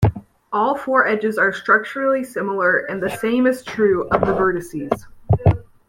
All four edges are structurally similar and the same is true of the vertices.